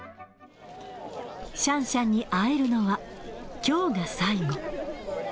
シャンシャンに会えるのはきょうが最後。